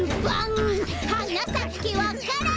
「はなさけわか蘭」